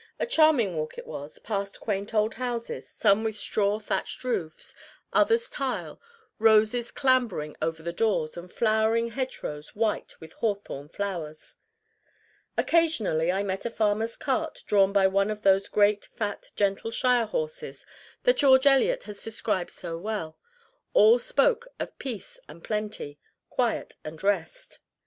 A charming walk it was; past quaint old houses, some with straw thatched roofs, others tile roses clambering over the doors and flowering hedgerows white with hawthorn flowers. Occasionally, I met a farmer's cart drawn by one of those great, fat, gentle Shire horses that George Eliot has described so well. All spoke of peace and plenty, quiet and rest.